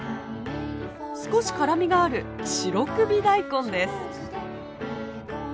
少し辛みがある白首大根です。